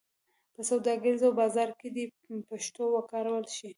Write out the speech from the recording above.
په سوداګرۍ او بازار کې دې پښتو وکارول شي.